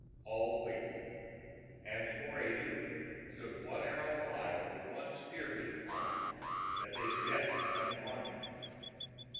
All waited. And Negore knew, should one arrow fly, or one spear be flung, that his death would come upon him.